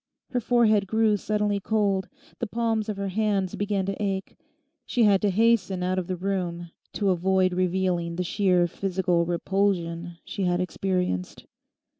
Her forehead grew suddenly cold, the palms of her hands began to ache, she had to hasten out of the room to avoid revealing the sheer physical repulsion she had experienced.